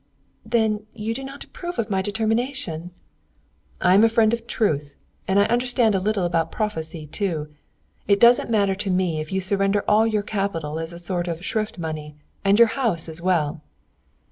"Then you do not approve of my determination?" "I am a friend of truth, and I understand a little about prophecy too. It doesn't matter to me if you surrender all your capital as a sort of shrift money, and your house as well."